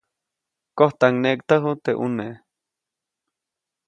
Kojtaŋneʼktäju teʼ ʼnune.